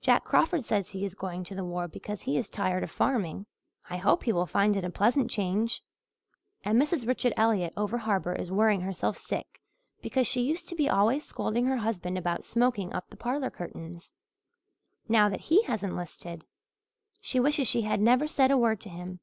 Jack Crawford says he is going to the war because he is tired of farming. I hope he will find it a pleasant change. And Mrs. Richard Elliott over harbour is worrying herself sick because she used to be always scolding her husband about smoking up the parlour curtains. Now that he has enlisted she wishes she had never said a word to him.